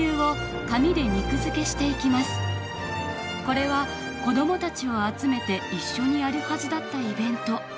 これは子供たちを集めて一緒にやるはずだったイベント。